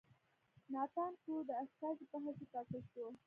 ناتان کرو د استازي په حیث وټاکل شو.